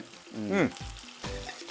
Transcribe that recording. うん。